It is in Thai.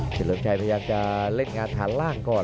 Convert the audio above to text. ถือหลงใจพยายามจะเล่นงานทางล่างก่อน